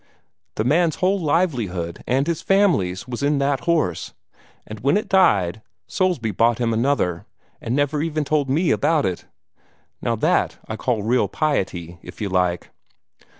The man's whole livelihood, and his family's, was in that horse; and when it died, Soulsby bought him another, and never told even ME about it. Now that I call real piety, if you like."